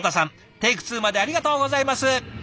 テイク２までありがとうございます。